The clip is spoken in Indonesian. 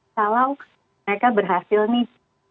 kalau mereka berhasil nih